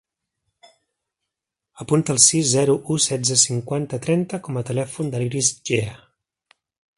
Apunta el sis, zero, u, setze, cinquanta, trenta com a telèfon de l'Iris Gea.